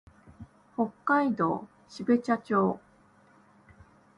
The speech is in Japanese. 北海道標茶町